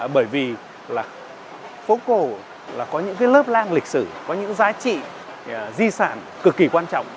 bởi vì là phố cổ là có những lớp lang lịch sử có những giá trị di sản cực kỳ quan trọng